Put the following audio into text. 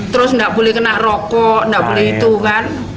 terus nggak boleh kena rokok tidak boleh itu kan